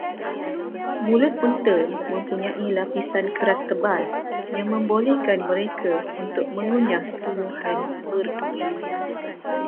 Mulut unta mempunyai lapisan keras tebal, yang membolehkan mereka untuk mengunyah tumbuhan berduri.